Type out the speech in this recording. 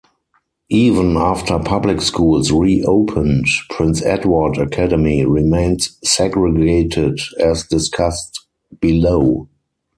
Even after public schools re-opened, Prince Edward Academy remained segregated as discussed below.